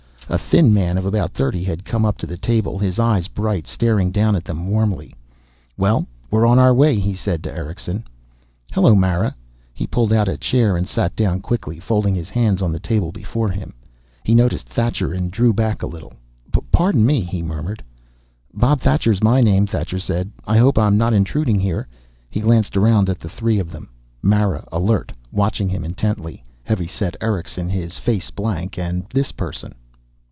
A thin man of about thirty had come up to the table, his eyes bright, staring down at them warmly. "Well, we're on our way," he said to Erickson. "Hello, Mara." He pulled out a chair and sat down quickly, folding his hands on the table before him. He noticed Thacher and drew back a little. "Pardon me," he murmured. "Bob Thacher is my name," Thacher said. "I hope I'm not intruding here." He glanced around at the three of them, Mara, alert, watching him intently, heavy set Erickson, his face blank, and this person.